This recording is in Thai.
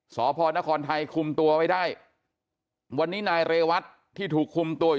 สพนครไทยคุมตัวไว้ได้วันนี้นายเรวัตที่ถูกคุมตัวอยู่